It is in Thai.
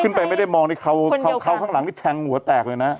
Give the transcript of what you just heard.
ขึ้นไปไม่ได้มองด้วยเขาข้างหลังที่แท้งหัวแตกเลยนะ